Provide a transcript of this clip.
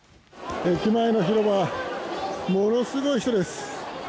駅前の広場、ものすごい人です。